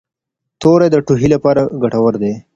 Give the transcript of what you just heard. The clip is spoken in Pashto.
توري د ټوخي لپاره ګټور دي.